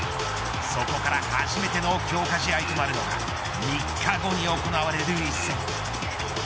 そこから初めての強化試合となるのが３日後に行われる一戦。